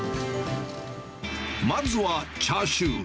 まずはチャーシュー。